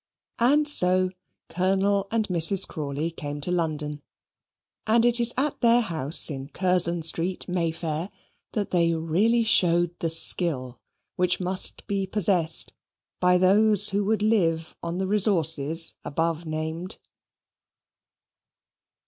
And so, Colonel and Mrs. Crawley came to London: and it is at their house in Curzon Street, May Fair, that they really showed the skill which must be possessed by those who would live on the resources above named.